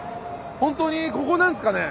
本当にここなんすかね？